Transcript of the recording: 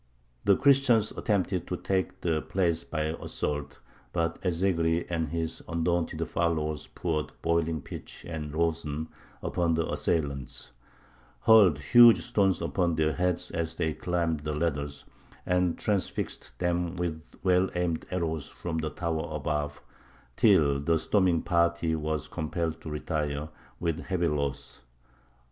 The Christians attempted to take the place by assault, but Ez Zegry and his undaunted followers poured boiling pitch and rosin upon the assailants, hurled huge stones upon their heads as they climbed the ladders, and transfixed them with well aimed arrows from the tower above, till the storming party were compelled to retire with heavy loss.